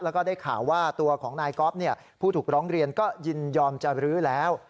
แล้วก็ได้ข่าวว่าตัวของนายก๊อฟผู้ถูกร้องเรียนก็ยินยอมจะรื้อแล้ว